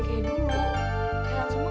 kal aku mau nge save